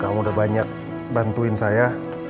kamu udah banyak bantuin saya